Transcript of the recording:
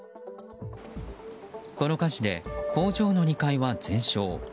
この火事で工場の２階は全焼。